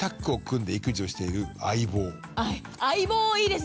相棒いいですね！